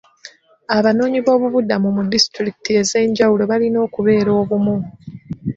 Abanoonyi b'obubuddamu mu disitulikiti ez'enjawulo balina okubeera obumu..